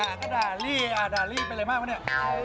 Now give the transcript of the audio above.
ด่าลี่อ่ะด่าลี่เป็นอะไรมากวะเนี่ย